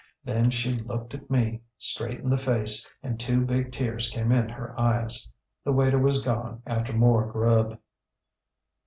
Then she looked at me, straight in the face, and two big tears came in her eyes. The waiter was gone after more grub.